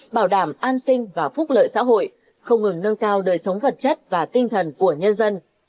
bảo đảm an sinh và phúc lợi xã hội không ngừng nâng cao đời sống vật chất và tinh thần của nhân dân